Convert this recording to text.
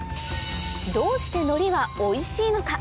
どうしてのりはおいしいのか？